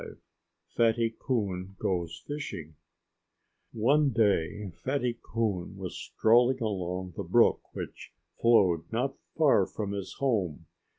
V FATTY COON GOES FISHING One day Fatty Coon was strolling along the brook which flowed not far from his home.